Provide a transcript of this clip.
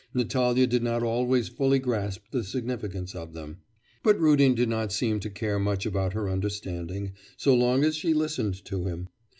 Natalya did not always fully grasp the significance of them. But Rudin did not seem to care much about her understanding, so long as she listened to him.